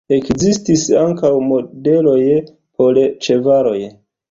Ekzistis ankaŭ modeloj por ĉevaloj.